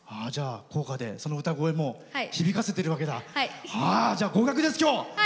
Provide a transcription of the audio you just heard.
校歌で、その歌声も響かせてるわけだ。